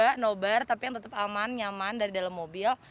kita pengen juga nobar tapi yang tetap aman nyaman dari dalam mobil